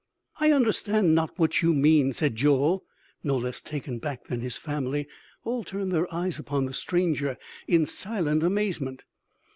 "I understand not what you mean," said Joel no less taken back than his family; all turned their eyes upon the stranger in silent amazement.